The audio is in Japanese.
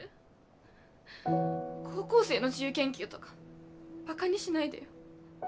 高校生の自由研究とかバカにしないでよ。